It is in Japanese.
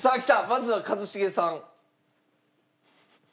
まずは一茂さん。